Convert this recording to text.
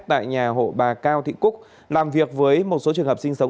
tại nhà hộ bà cao thị cúc làm việc với một số trường hợp sinh sống